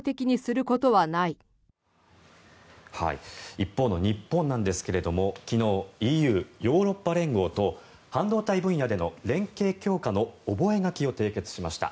一方の日本なんですが昨日、ＥＵ・ヨーロッパ連合と半導体分野での連携強化の覚書を締結しました。